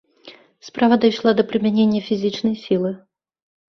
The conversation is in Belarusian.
Справа дайшла да прымянення фізічнай сілы.